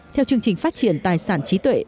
theo chương trình phát triển tài sản trí tuệ